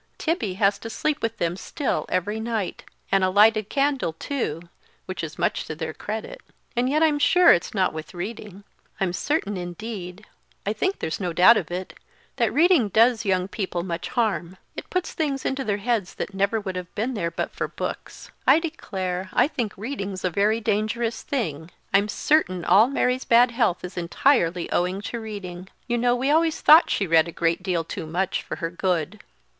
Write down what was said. Tibby has to sleep with them still every night; and alighted candle too which is much to their credit and yet I'm sure it's not with reading. I'm certain indeed, I think there's no doubt of it that reading does young people much harm. It puts things into their heads that never would have been there but for books. I declare, I think reading's a very dangerous thing; I'm certain all Mary's bad health is entirely owing to reading. You know we always thought she read a great deal too much for her good."